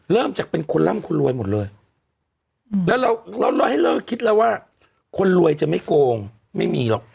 เริ่มจากเป็นคนร่ำคนรวยหมดเลยแล้วเราให้เลิกคิดแล้วว่าคนรวยจะไม่โกงไม่มีหรอก